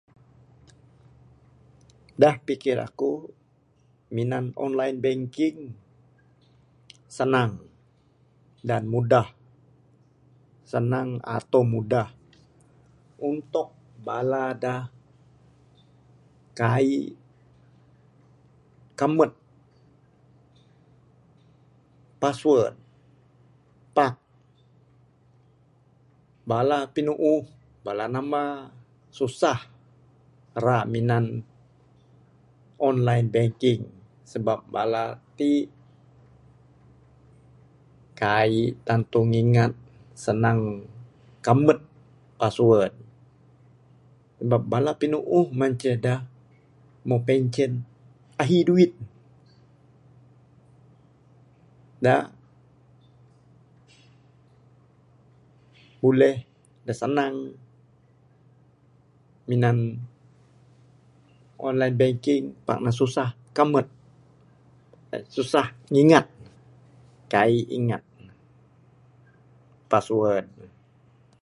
Da pikir aku minan online banking sanang, dan mudah. Sanang ato mudah untuk bala da kaik kambet password, pak bala pinuuh, bala namba susah ra minan online banking, sebab bala ti kaik tantu ngingat sanang kambet password. Sebab bala pinuuh manceh da moh pencen, ahi duit da buleh, da sanang minan online banking pak ne susah kambet, susah ngingat, kaik ingat, password.